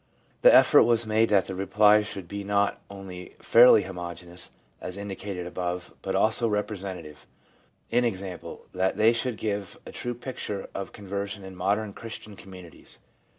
The effort was made that the replies should be not only fairly homogeneous, as indicated above, but also representative, i.e., that they should give a true picture of conversion in modern Christian communities.